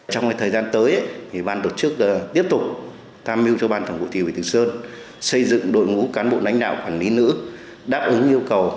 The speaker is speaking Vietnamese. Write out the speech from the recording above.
trong thời gian tới bàn tổ chức tiếp tục tham mưu cho bàn phòng cụ thị ủy thứ sơn xây dựng đội ngũ cán bộ đánh đạo quản lý nữ